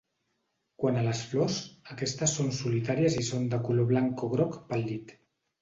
Quant a les flors, aquestes són solitàries i són de color blanc o groc pàl·lid.